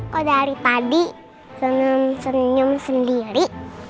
kok dari tadi seneng senyum sendiri